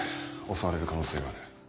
襲われる可能性がある。